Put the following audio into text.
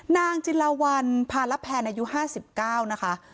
นางจิลาวัลพาระแพนอายุ๕๙นะคะ